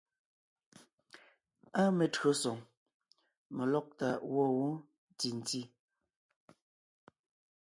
Áa metÿǒsoŋ , melɔ́gtà gwɔ̂ wó ntì ntí.